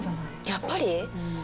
やっぱり？